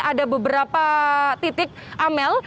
ada beberapa titik amel